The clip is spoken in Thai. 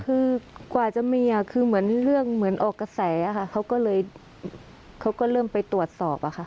คือกว่าจะมีคือเหมือนเรื่องเหมือนออกกระแสค่ะเขาก็เลยเขาก็เริ่มไปตรวจสอบอะค่ะ